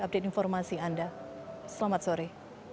update informasi anda selamat sore